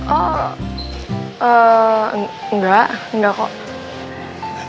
oh enggak kok